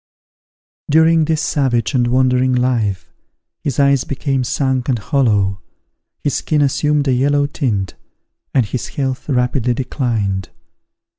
During this savage and wandering life, his eyes became sunk and hollow, his skin assumed a yellow tint, and his health rapidly declined.